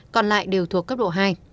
còn lại đều thuộc cấp độ hai